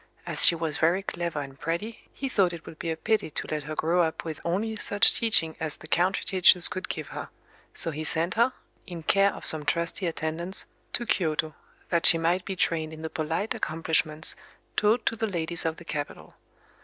As she was very clever and pretty, he thought it would be a pity to let her grow up with only such teaching as the country teachers could give her: so he sent her, in care of some trusty attendants, to Kyōto, that she might be trained in the polite accomplishments taught to the ladies of the capital.